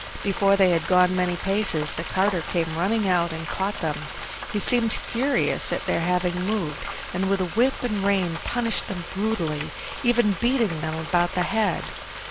Before they had gone many paces the carter came running out and caught them. He seemed furious at their having moved, and with whip and rein punished them brutally, even beating them about the head.